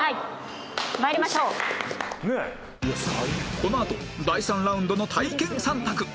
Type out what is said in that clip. このあと第３ラウンドの体験３択